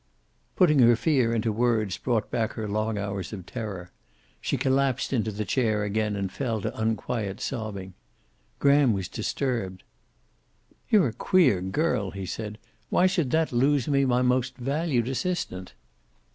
Putting her fear into words brought back her long hours of terror. She collapsed into the chair again and fell to unquiet sobbing. Graham was disturbed. "You're a queer girl," he said. "Why should that lose me my most valued assistant?"